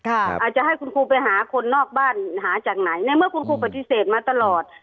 อาจจะให้คุณครูไปหาคนนอกบ้านหาจากไหนในเมื่อคุณครูปฏิเสธมาตลอด